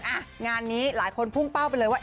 อ่ะงานนี้หลายคนพุ่งเป้าไปเลยว่า